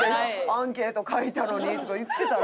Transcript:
アンケート書いたのにとか言ってたら。